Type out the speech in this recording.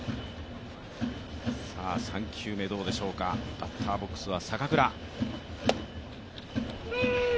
３球目、どうでしょうか、バッターボックスは坂倉。